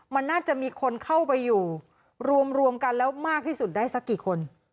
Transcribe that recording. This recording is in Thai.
มันน่าจะมีคนเข้าไปอยู่รวมกันแล้วมากที่สุดได้สักกี่คน